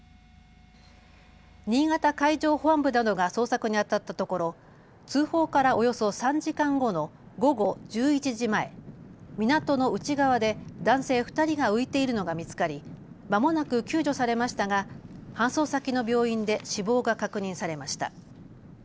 新潟海上保安部などが捜索にあたったところ通報からおよそ３時間後の午後１１時前、港の内側で男性２人が浮いているのが見つかりまもなく救助されましたが搬送先の病院で死亡が確認されました。